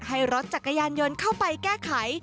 ให้รถจักรยานยนต์เข้าไปแก้ไข